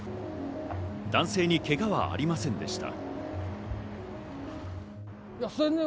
男性にけがはありませんでした。